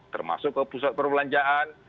termasuk ke pusat perbelanjaan